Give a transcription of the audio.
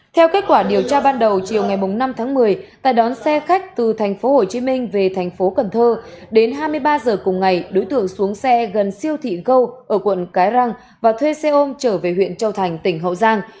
theo kết quả điều tra ban đầu chiều ngày bốn năm một mươi tài đón xe khách từ tp hcm về tp cn đến hai mươi ba h cùng ngày đối tượng xuống xe gần siêu thị gâu ở quận cái răng và thuê xe ôm trở về huyện châu thành tỉnh hậu giang